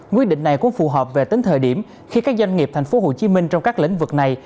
quyết định này cũng phù hợp về tính thời điểm khi các doanh nghiệp tp hcm trong các lĩnh vực này